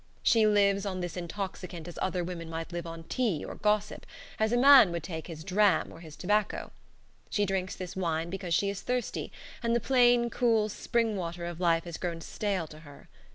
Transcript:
She lives on this intoxicant as other women might live on tea or gossip, as a man would take his dram or his tobacco. She drinks this wine because she is thirsty, and the plain, cool, spring water of life has grown stale to her.